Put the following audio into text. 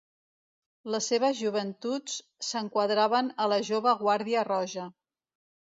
Les seves joventuts s'enquadraven a la Jove Guàrdia Roja.